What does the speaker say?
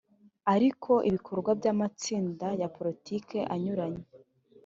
ariko ibikorwa by’amatsinda ya poritiki anyuranye